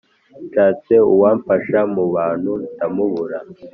nshatse uwamfasha mu bantu, ndamubura!